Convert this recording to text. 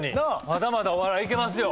まだまだお笑いいけますよ。